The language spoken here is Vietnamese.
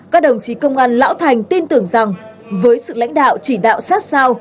các đồng chí công an lão thành tin tưởng rằng với sự lãnh đạo chỉ đạo sát sao